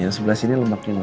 yang sebelah sini lemaknya